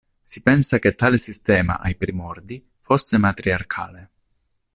Si pensa che tale sistema, ai primordi, fosse matriarcale.